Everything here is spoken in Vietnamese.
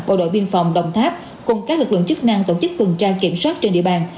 bộ đội biên phòng đồng tháp cùng các lực lượng chức năng tổ chức tuần tra kiểm soát trên địa bàn